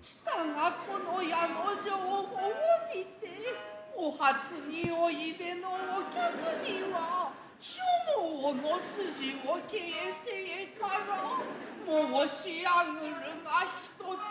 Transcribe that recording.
したがこの家の定法にてお初においでのお客には所望の筋を傾城から申上ぐるが一つの座興。